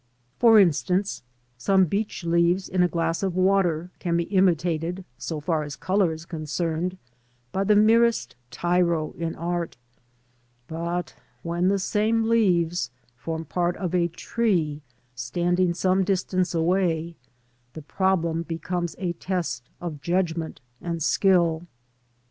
For instance, some beech leaves in a glass of water can be imitated, so far as colour is concerned, by the merest tyro in art; but when the same leaves form part of a tree standing some distance away, the problem becomes a test of judgment and skill.